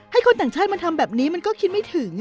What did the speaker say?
คนต่างชาติมาทำแบบนี้มันก็คิดไม่ถึง